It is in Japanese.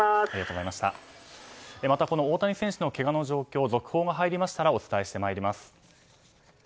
またこの大谷選手のけがの状況続報が入りましたらお伝えをしてまいります。